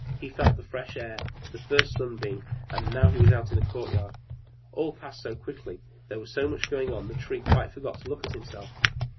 He felt the fresh air, the first sunbeam and now he was out in the courtyard. All passed so quickly, there was so much going on around him, the Tree quite forgot to look to himself.